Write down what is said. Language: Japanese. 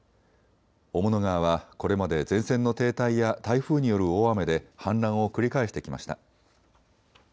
雄物川はこれまで前線の停滞や台風による大雨で氾濫を繰り返してきました。